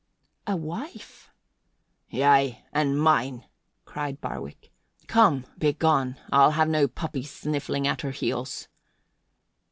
"A wife!" "Yea, and mine," cried Barwick. "Come, begone I I'll have no puppies sniffling at her heels."